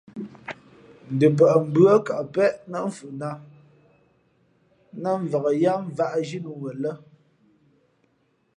Ndopαʼmbʉα̂ kαʼ péʼ nά mfhʉʼnāt nά mvak yáá mvāʼ zhínǔ wen lά.